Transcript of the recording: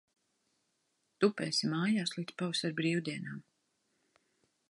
Tupēsi mājās līdz pavasara brīvdienām.